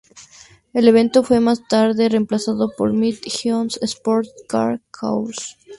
El evento fue más tarde reemplazado por Mid-Ohio Sports Car Course.